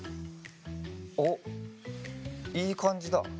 おっいいかんじだ。